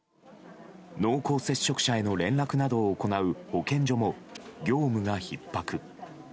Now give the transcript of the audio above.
濃厚接触者への連絡などを行う保健所も業務がひっ迫。